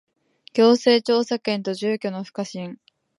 行政調査権と住居の不可侵